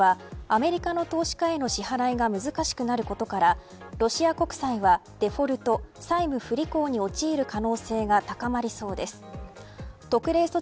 これにより今後ロシアはアメリカの投資家への支払いが難しくなることからロシア国債はデフォルト債務不履行に陥る可能性が高まりそうです。